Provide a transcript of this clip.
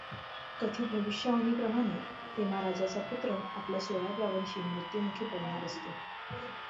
कथित भविष्यवाणी प्रमाणे हेमा राजाचा पुत्र आपल्या सोळाव्या वर्षी मृत्युमुखी पडणार असतो.